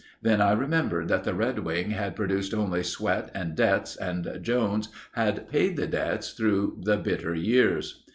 Then I remembered that the Redwing had produced only sweat and debts and Jones had paid the debts through the bitter years.